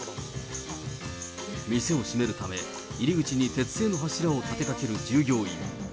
店を閉めるため、入り口に鉄製の柱を立てかける従業員。